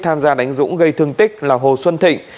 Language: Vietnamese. tham gia đánh dũng gây thương tích là hồ xuân thịnh